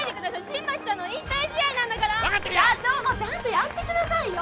新町さんの引退試合なんだから社長もちゃんとやってくださいよ